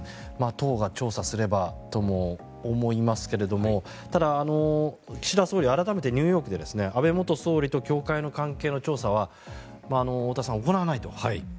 党が調査すればとも思いますけどもただ、岸田総理改めてニューヨークで安倍元総理と教会の関係の調査は太田さん、行わないと。